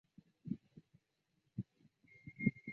叫河乡是中国河南省洛阳市栾川县下辖的一个乡。